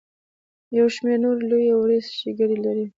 یو شمیر نورې لویې او وړې ښیګړې لري.